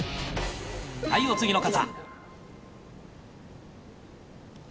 はい、お次の方。